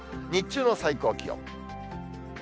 日中の最高気温。